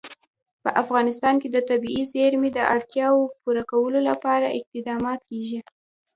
په افغانستان کې د طبیعي زیرمې د اړتیاوو پوره کولو لپاره اقدامات کېږي.